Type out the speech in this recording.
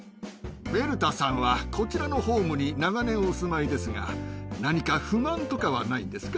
ベルタさんはこちらのホームに長年お住まいですが、何か不満とかはないんですか？